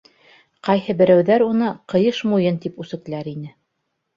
Ҡайһы берәүҙәр уны «ҡыйыш муйын» тип үсекләр ине.